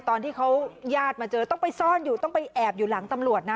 ตอนที่เขาญาติมาเจอต้องไปซ่อนอยู่ต้องไปแอบอยู่หลังตำรวจนะ